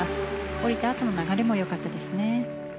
降りたあとの流れもよかったですね。